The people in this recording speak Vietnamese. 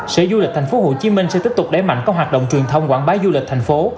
sở du lịch tp hcm sẽ tiếp tục đẩy mạnh các hoạt động truyền thông quảng bá du lịch thành phố